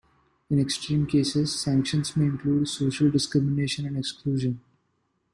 In extreme cases sanctions may include social discrimination and exclusion.